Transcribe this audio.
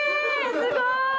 すごい！